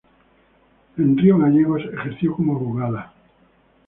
En Río Gallegos ejerció como abogada.